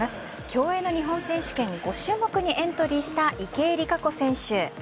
競泳の日本選手権５種目にエントリーした池江璃花子選手。